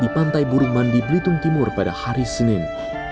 di pantai burung mandi belitung timur pada hari senin